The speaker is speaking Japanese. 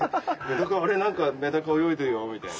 あれなんかメダカ泳いでるよみたいな。